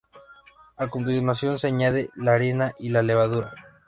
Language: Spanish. A continuación se añaden la harina y la levadura.